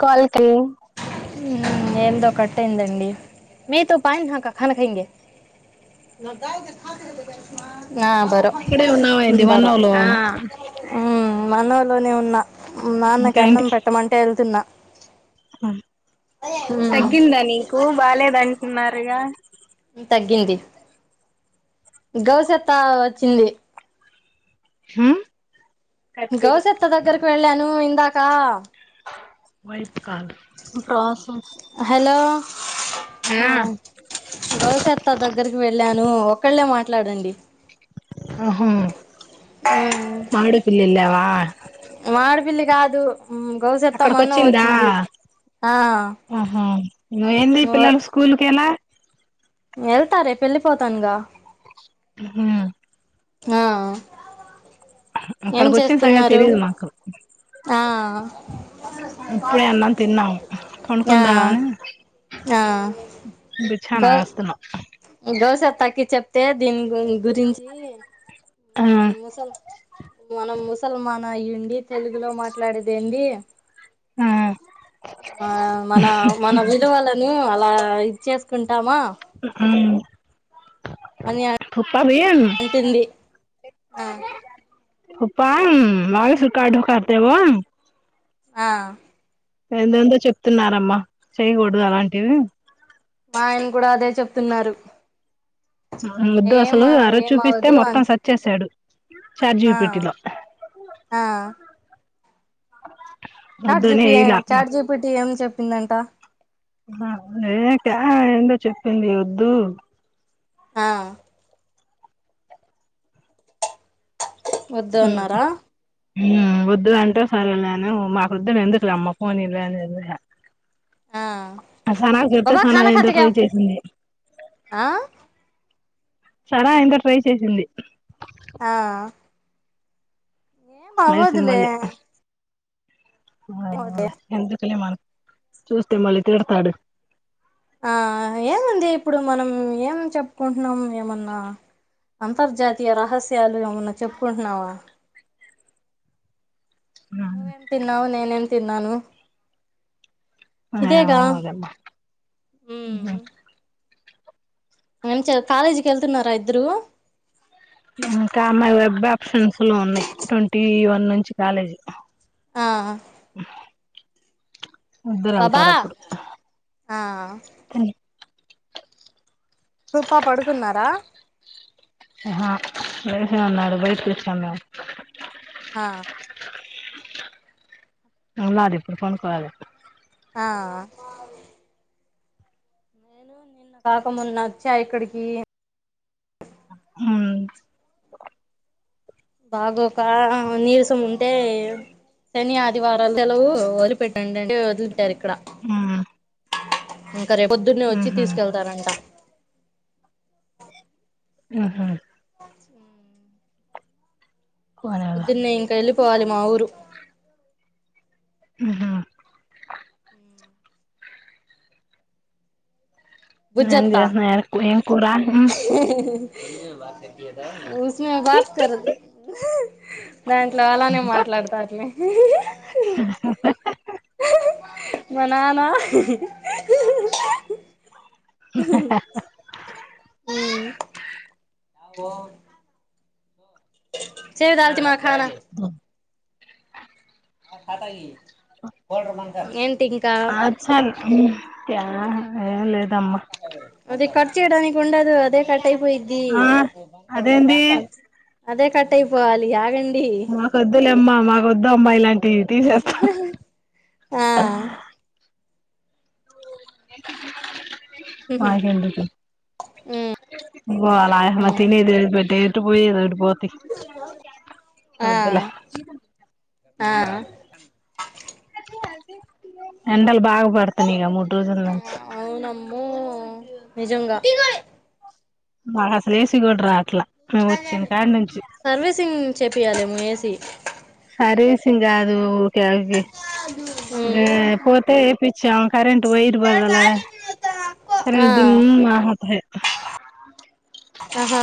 కాల్ల్కి ఏందో కట్ అయిందండి మీ తు పానినాఖ ఖాన ఖాయింగే నా బర్ ఇక్కడే ఉన్నావేంటి మనవలో ఆ ఉ మన్నవలోనే ఉన్నా ఇంకా నాన్నకి అన్నం పెట్టమంటే వెళ్తున్నా తగ్గిందా నీకు బాదంటున్నారుగా తగ్గింది గౌష్యత్త వచ్చింది హా గౌశెత్త దగ్గరకి వెళ్ళాను ఇందాక వైట్ కాల్ ప్రసం హలో గవిశత్త దగ్గరికి వెళ్ళాను ఒకళ్ళే మాట్లాడండి ఆహ మ్మ్, మాడేపెల్లి వెళ్ళావా మాడపెల్లి కాదు గవిష్యత్త అక్కడికి మన్నమ వచ్చిందా వచ్చింది ఆ ఆహా నువ్వు ఏందీ పిల్లలోడీ స్కూల్ కి ఎలా వెళ్తాలే రేపు వెళ్ళిపోతాను గా ఉ ఆ ఏం అక్కడకి వచ్చిన సంగతి చేస్తున్నారు తెలీయదు మాకు ఆ ఇప్పుడే అన్నం తిన్నాము ఆ పండుకుందామని ఆ బి చానా ఏస్తున్నా గౌశత్తాకి చెప్తే దీని గు గురించి ఆ సల మనం ముసల్మాన్ అయ్యిడి తెలుగులో మాట్లాడేది ఏండి ఆ మన మన విలువలను అలా ఇదిచ్చేసుకుంటామా ఉ అని ప్ప బిను అంటుంది ఆ ఉప వాగేసిన కార్డు కాతేవో ఆ ఎంతెందో చెప్తున్నారమ్మా చేయకూడదు అలాంటివి మా ఆయన కూడా అదే చెప్తున్నారు వద్దు ఏం అసలు అరోజు ఏం చూపిస్తే అవదు అ మొత్తం సర్చేసాడు చాట్ ఆ జిపిటిలో ఆ వద్దులే ఏలే అమ్మ ఇప్పటి ఏం చెప్పిందంట ఏకా ఏంటో చెప్పింది వద్దు ఆ వద్దు అన్నారా వద్దుంటే సరే నేను మాకోద్దులే ఎందుకు అమ్మ పోనీలే ఆ ఆ సనాకు చెప్తే బాబా సనా ఖానా ఏందో ఖాతేగా ట్రై చేసింది ఆ సర ఇంకా ట్రై చేసింది ఆ ఏం లేచింది అవ్వదులే మళ్ళీ అ అవ్వదులే ఎందుకలే మనకు చూస్తే మళ్ళీ తిడతాడు ఆ ఏముంది ఇప్పుడు మనం ఏం చెప్పుకుంటున్నాం ఏమన్నా అంతర్జాతీయ రహస్యాలు ఏమైన్నా చెప్పుకుంటున్నావా ఉ నువ్వేం తిన్నావు నేనేం తిన్నాను ఏమో ఇదేగా మరి మంచిగా కాలేజీకి వెళ్తున్నారా ఇద్దరు ఇంకా మారి వెబ్ ఆప్షన్స్లు ఉన్నాయి ట్వంటీ వన్ నుంచి కాలేజీ ఆ ఇద్దరు బాబా వెళ్తారు అప్పుడు ఆ సోఫా పడుకున్నారా హా బయట ఉన్నాడు బయట కు వచ్చాము మేము ఆ ఉన్నాడు ఇప్పుడు కొనుక్కోవాలి ఆఆ కాక మొన్న వచ్చా ఇక్కడికి హూ బాగోక నీరసం ఉంటే శని ఆదివారాలు సెలవు వదిలిపెట్టండి అండే వదిలితారు ఇక్కడ ఉమ్ ఇంకా రేపు పొద్దున్న వచ్చి ఉహు తీసుకెళ్తారంట ఉ హు ఉ పోనీలే పొద్దున్నే ఇంక వెళ్ళిపోవాలి మా ఊరు ఉహు నేను ఏం బుజ్జత్త చేయాలే ఏం కూర ఉస్మే బాత్ కరో దాంట్లో అలానే మాట్లాడతాది ఆ హా మా నాన్న ఆ హా ఓ చెయ్య నంది మా కాడ ఓ ఏంటి ఇంకా ఆ వచ్చాన్ ఏం లేదమ్మా అదే కర్చడానికి ఉండదు అదే కట్ అయిపోయింది ఆ అదేంది అదే కట్టయిపోవాలి ఆగండి మాకు వద్దులే అమ్మ మాకు వద్దు అమ్మాయి ఇలాంటి టీషర్ట్స్ ఆ ఫైవ్ హండెడ్ ఉమ్ పో అలా తినేది ఎటు పోయేది అటు పోతది ఆ అందులే ఆ ఎండలు బాగా పడుతున్నాయి కదా మూడు రోజుల నుంచి ఊ నిజంగా మాకు అసలు ఎసి కూడా రావట్ల మేము వచ్చిన కాడ నుంచి సర్వీసింగ్ చేపియాలేమో ఏసీ సర్వీసింగ్ కాదు దానికి ఉమ్ పోతే చూపించాము కరెంటు వైరు బదలాయే ఆ కరెంటు దిమ్ ఆ తేహే ఆహా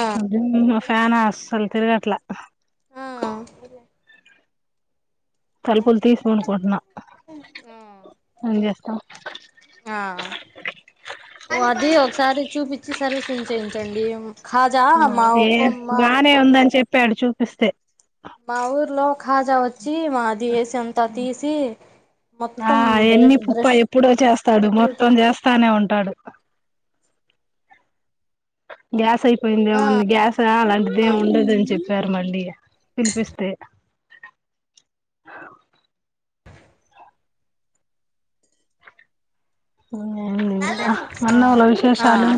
మా ఫ్యాన్ అసలు తిరగట్లే ఆ తలుపులు తీసి పడుకుంటున్న ఆ ఏం చేస్తాం ఆ అది ఒకసారి చూపించి సర్వీసింగ్ చేయించండి కాజా అమ్ మా ఒకుమ్ మా నే ఉందని చెప్పాడు చూపిస్తే మా ఊర్లో ఖజా వచ్చి మాది దేసిఅంతా తీసి ఆ మొత్తం ఎన్ని బ్రష్ పుప్ప బ్రష్లతో ఎప్పుడో చేస్తాడు మొత్తం చేస్తానే ఉంటాడు గ్యాస్ అయిపోయింది ఆ ఏమన్నా గ్యాస అలాంటిది ఏమి ఉండదని చెప్పారు మల్లి ఇగ పిలిపిస్తే ఆ అన్నవల ఆ విశేషాలు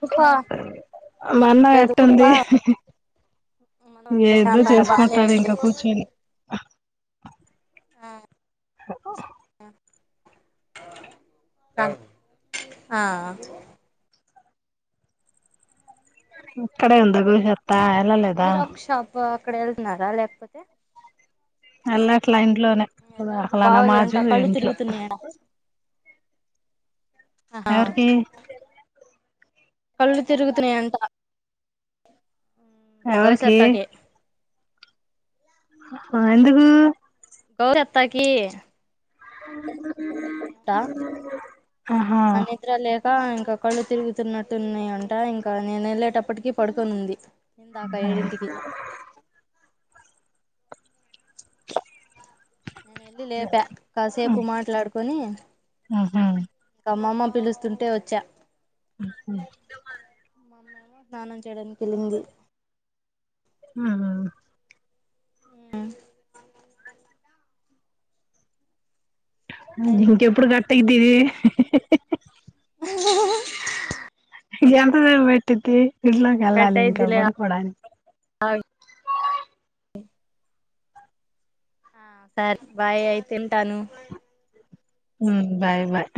కుప్ప లేదు కుప్ప మన్నకట్టుంది ఏదో ప్రశాంతంగా బానే చేసుకుంటాడు ఉంది ఇంకా కూర్చొని ఆ హ ఆ అ ఇక్కడ ఉందీవిహర్ జిరాక్ షాప్ అక్కడ ఎళ్తున్నారా లేకపోతే వెళ్ళట్లే ఇంట్లోనే వెళ్ళలేదు బాగోలేదంట అలానమాజు కళ్ళు ఇంట్లో తిరుగుతున్నాయంట ఆహా ఎవరికి కళ్ళు తిరుగుతున్నాయంట ఎవరికి గౌసత్తాకి ఆ ఎందుకు గౌరత్తకి ఆహ ఆ నిద్ర లేక ఇంకా కళ్ళు తిరుగుతున్నట్టు ఉన్నాయంట ఇంకా నేను ఎళ్ళేటప్పటికి పడుకొనుంది ఇందాక ఏడిఇంటికి నేనెళ్ళి లేపా కాసేపు మాట్లాడుకొని ఆహా ఇక అమ్మమ్మ పిలుస్తుంటే వచ్చా స్నానం చేయడానికి వెళ్ళింది ఆహా ఉ ఇంకేంటి ఇంకా ఇంకెప్పుడు కట్టయెదిది ఇక ఎంతసేపు పెట్టిద్ది ఇంట్లోకి కట్ వెళ్ళాలి ఇంకా అయిద్దిలే పడుకోడానికి సార్ బాయ్ అయితేంటాను హుమ్ బాయ్ బాయ్